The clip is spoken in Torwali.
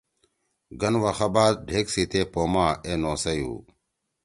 گن وخہ بعد ڈھیگ سی تے پو ما اے نوسئ ہُو۔